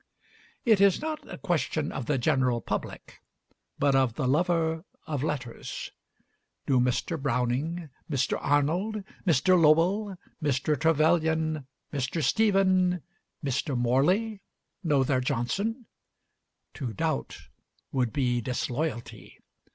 It is not a question of the general public, but of the lover of letters. Do Mr. Browning, Mr. Arnold, Mr. Lowell, Mr. Trevelyan, Mr. Stephen, Mr. Morley, know their Johnson? "To doubt would be disloyalty."